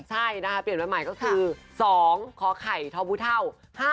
ใช่นะคะเปลี่ยนวันใหม่ก็คือ๒ขอไข่ทอบูเท่า๕๐